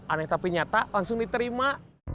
aneh tapi nyata langsung diterima